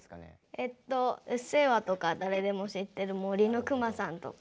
「うっせぇわ」とか誰でも知ってる「森のくまさん」とか。